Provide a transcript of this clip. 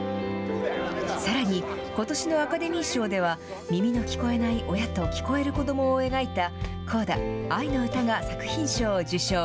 さらに、ことしのアカデミー賞では耳の聞こえない親と聞こえる子どもを描いた、コーダあいのうたが作品賞を受賞。